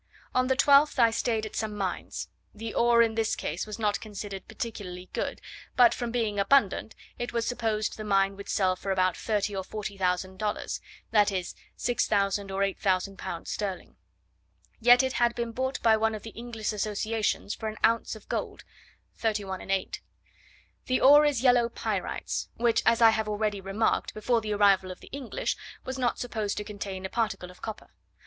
On the 12th I stayed at some mines. The ore in this case was not considered particularly good, but from being abundant it was supposed the mine would sell for about thirty or forty thousand dollars (that is, 6000 or 8000 pounds sterling); yet it had been bought by one of the English Associations for an ounce of gold (3l. 8s.). The ore is yellow pyrites, which, as I have already remarked, before the arrival of the English, was not supposed to contain a particle of copper.